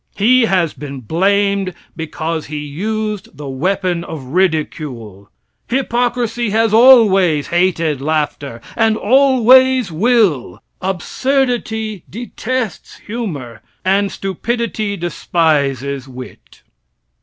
He has been blamed because he used the weapon of ridicule. Hypocrisy has always hated laughter, and always will. Absurdity detests humor and stupidity despises wit.